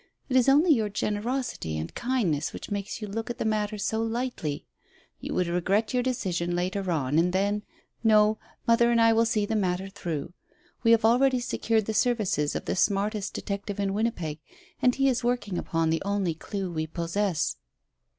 It is only your generosity and kindness which make you look at the matter so lightly. You would regret your decision later on, and then No, mother and I will see the matter through. We have already secured the services of the smartest detective in Winnipeg, and he is working upon the only clue we possess."